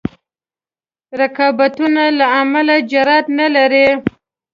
رقابتونو له امله جرأت نه لري.